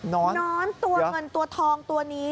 นอนตัวเงินตัวทองตัวนี้